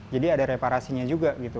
jadi ada reparasinya juga gitu